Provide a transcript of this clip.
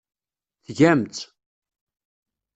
Tgam-tt.